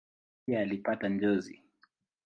Pia alipata njozi.